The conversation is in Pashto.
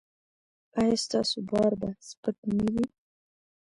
ایا ستاسو بار به سپک نه وي؟